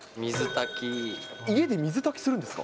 家で水炊きするんですか。